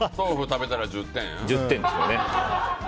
１０点ですね。